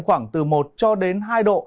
khoảng từ một hai độ